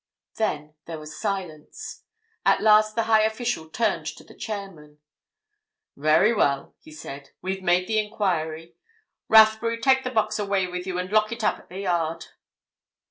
Then there was silence. At last the high official turned to the chairman. "Very well," he said. "We've made the enquiry. Rathbury, take the box away with you and lock it up at the Yard."